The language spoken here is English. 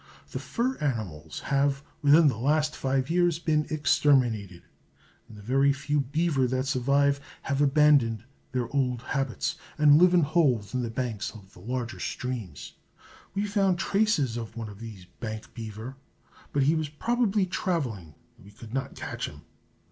The fur animals have, within the last five years, been exterminated, and the very few beaver that survive have abandoned their old habits, and live in holes in the banks of the larger streams. We found traces of one of these bank beaver, but he was probably traveling and we could not catch him.